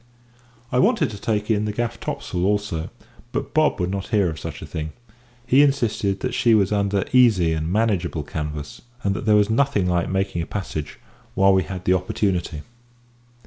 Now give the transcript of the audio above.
I wanted to take in the gaff topsail also, but Bob would not hear of such a thing. He insisted that she was under easy and manageable canvas, and that there was nothing like making a passage while we had the opportunity.